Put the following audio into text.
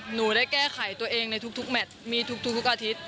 หนูได้แก้ไขตัวเองในทุกแมทมีทุกอาทิตย์